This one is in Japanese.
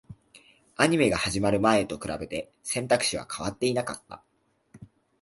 アニメが始まる前と比べて、選択肢は変わっていなかった